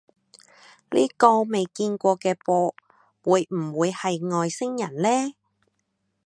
呢個未見過嘅噃，會唔會係外星人呢？